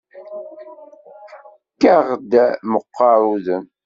Fek-aɣ-d meqqaṛ udem.